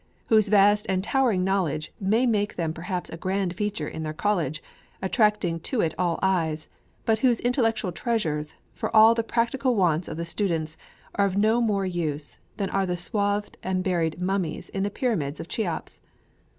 whose vast and towering knowledge may make them perhaps a grand feature in their College, attracting to it all eyes, but whose intellectual treasures, for all the practical wants of the students, are of no more use, than are the swathed and buried mummies in the pyramid of Cheops!